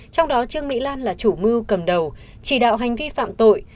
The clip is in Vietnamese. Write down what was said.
trong đó trương mỹ lan là chủ mưu cầm đầu chỉ đạo hành vi phạm tội